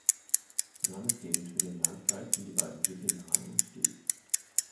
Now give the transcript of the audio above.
Namensgebend für den Landkreis sind die beiden Flüsse Lahn und Dill.